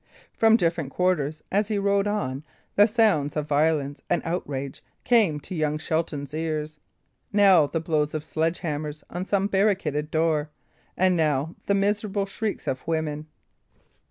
From different quarters, as he rode on, the sounds of violence and outrage came to young Shelton's ears; now the blows of the sledge hammer on some barricaded door, and now the miserable shrieks of women.